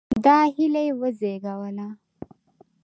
دا هیله یې وزېږوله.